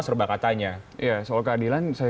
serba katanya ya soal keadilan saya